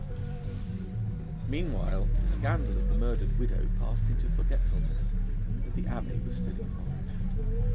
Meanwhile the scandal of the murdered widow passed into forgetfulness, and the Abbé was still impoverished.